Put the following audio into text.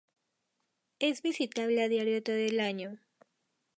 Es visitable a diario todo el año.